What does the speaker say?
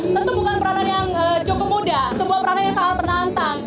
tentu bukan peranan yang cukup muda sebuah peranan yang sangat menantang